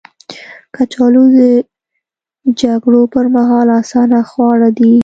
کچالو د جګړو پر مهال اسانه خواړه دي